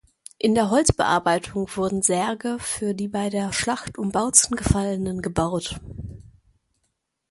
In der Holzbearbeitung wurden Särge für die bei der Schlacht um Bautzen Gefallenen gebaut.